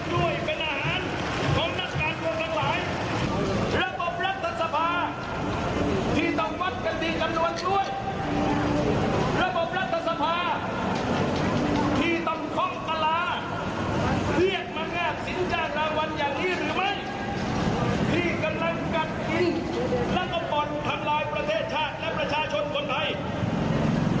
ที่กำลังกัดกินและบ่นทำลายประเทศชาติและประชาชนคนไทย